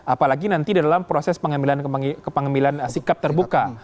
apalagi nanti dalam proses pengambilan sikap terbuka